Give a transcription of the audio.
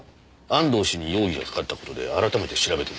安藤氏に容疑がかかった事で改めて調べてみました。